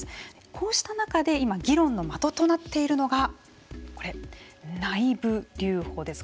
こうした中で今議論の的となっているのがこれ、内部留保です。